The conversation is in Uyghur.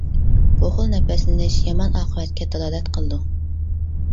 بۇ خىل نەپەسلىنىش يامان ئاقىۋەتكە دالالەت قىلىدۇ.